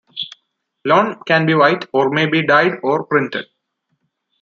Lawn can be white, or may be dyed or printed.